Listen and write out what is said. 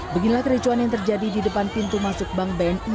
beginilah kericuan yang terjadi di depan pintu masuk bank bni